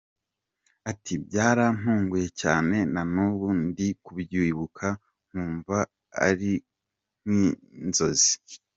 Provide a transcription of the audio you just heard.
Ati “ Byarantunguye cyane, nanubu ndi kubyibuka nkumva ari nk’inzozi.